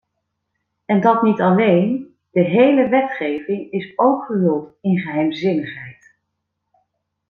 En dat niet alleen: de hele wetgeving is ook gehuld in geheimzinnigheid.